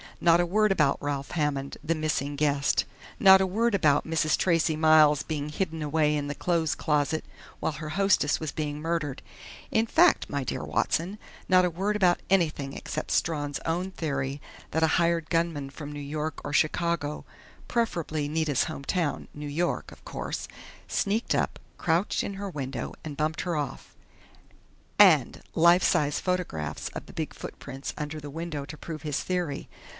Not a word about Ralph Hammond, the missing guest! Not a word about Mrs. Tracey Miles' being hidden away in the clothes closet while her hostess was being murdered!... In fact, my dear Watson, not a word about anything except Strawn's own theory that a hired gunman from New York or Chicago preferably Nita's home town, New York, of course sneaked up, crouched in her window, and bumped her off. And life size photographs of the big footprints under the window to prove his theory!...